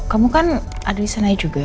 kamu kan ada disananya juga